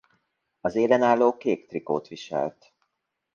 Az élen álló kék trikót viselt.